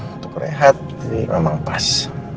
untuk rehat jadi memang pas